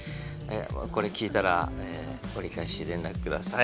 これ聞いたら折り返し連絡ください。